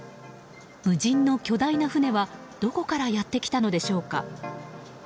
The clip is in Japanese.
無人の巨大な船はどこからやってきたのでしょうか。